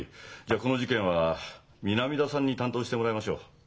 じゃあこの事件は南田さんに担当してもらいましょう。